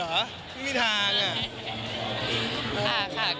ไม่มีทาง